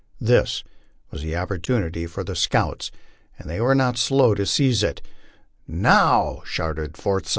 This was the opportunity for the scouts, and they were not slow to seize it. "Now," shouted Forsyth.